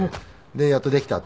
でやっとできた。